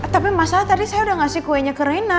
tapi masalah tadi saya udah ngasih kuenya ke reina